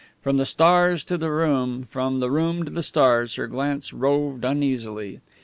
From the stars to the room, from the room to the stars, her glance roved uneasily.